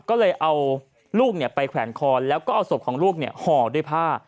ก็เลยเอาลูกไปแขวนคอแล้วก็เอาศพของลูกห่อด้วยผ้า